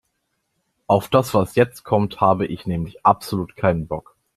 Auf das, was jetzt kommt, habe ich nämlich absolut keinen Bock.